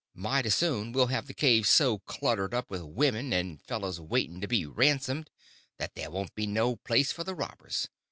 Mighty soon we'll have the cave so cluttered up with women, and fellows waiting to be ransomed, that there won't be no place for the robbers.